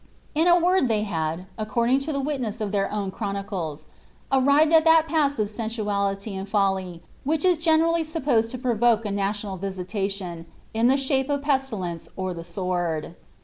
In a word, they had, according to the witness of their own chronicles, arrived at that pass of sensuality and folly which is eenerally supposed to provoke a national visitation, in the shape of pesti lence or the sword.